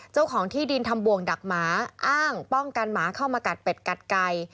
เจ้าของที่ดินทำบ่วงดักหมาอ้างป้องกันหมาเข้ามากัดเป็ดกัดไก่